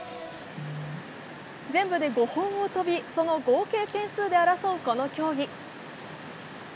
全部で５本を飛び、その合計点数で争うこの競技。